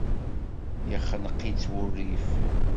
Yexneq-itt wurrif.